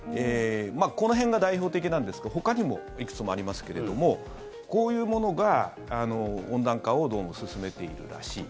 この辺が代表的なんですけどほかにもいくつもありますけどもこういうものが温暖化をどうも進めているらしい。